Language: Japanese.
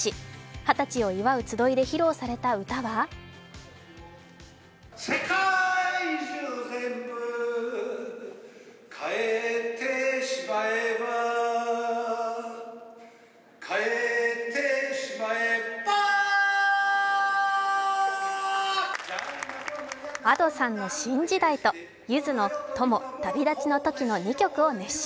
二十歳を祝う集いで披露された歌はＡｄｏさんの「新時代」とゆずの「友旅立ちの時」の２曲を熱唱。